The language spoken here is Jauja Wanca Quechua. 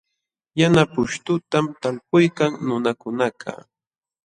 Yana pushtutam talpuykan nunakunakaq.